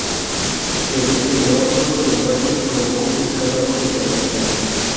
El elevado número de muertos provocó un escándalo internacional.